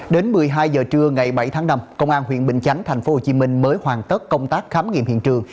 đến một mươi hai giờ trưa ngày bảy tháng năm công an huyện bình chánh tp hcm mới hoàn tất công tác khám nghiệm hiện trường